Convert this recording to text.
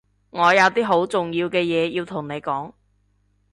我有啲好重要嘅嘢要同你講